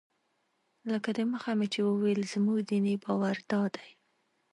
لکه دمخه مې چې وویل زموږ دیني باور دادی.